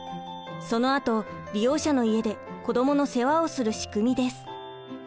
そのあと利用者の家で子どもの世話をする仕組みです。